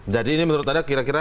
jadi ini menurut anda kira kira